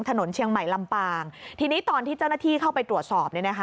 ถนนเชียงใหม่ลำปางทีนี้ตอนที่เจ้าหน้าที่เข้าไปตรวจสอบเนี่ยนะคะ